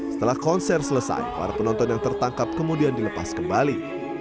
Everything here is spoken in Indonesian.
setelah konser selesai para penonton yang tertangkap kemudian dilepas kembali